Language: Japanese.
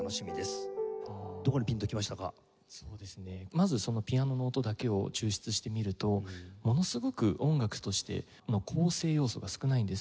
まずそのピアノの音だけを抽出してみるとものすごく音楽としての構成要素が少ないんですね。